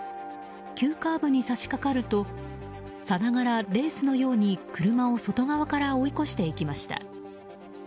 急カーブに差し掛かるとさながらレースのように車を外側から追い越していきました。